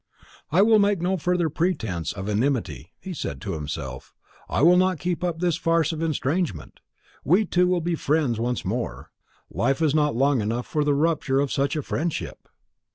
"I will make no further pretence of enmity," he said to himself; "I will not keep up this farce of estrangement. We two will be friends once more. Life is not long enough for the rupture of such a friendship."